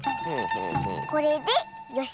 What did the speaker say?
これでよし。